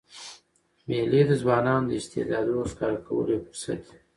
مېلې د ځوانانو د استعدادو ښکاره کولو یو فرصت يي.